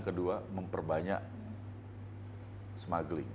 kedua memperbanyak smuggling